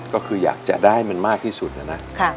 ก็คืออยากจะได้มันมากที่สุดนะนะ